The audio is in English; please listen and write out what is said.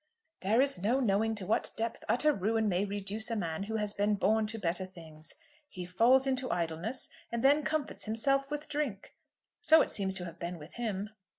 "There is no knowing to what depth utter ruin may reduce a man who has been born to better things. He falls into idleness, and then comforts himself with drink. So it seems to have been with him."